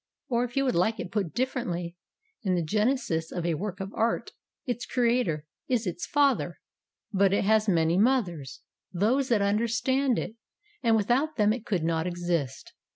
Or, if you would like it put differently: In the genesis of a work of art, its creator is its father, but it has many mothers those that under stand it; and without them it could not exist.